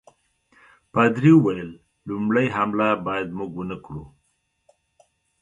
پادري وویل لومړی حمله باید موږ ونه کړو.